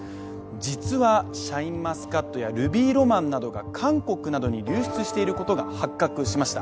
実はシャインマスカットやルビーロマンなどが韓国などに流出していることが発覚しました。